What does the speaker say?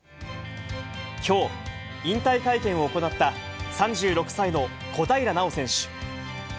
きょう、引退会見を行った３６歳の小平奈緒選手。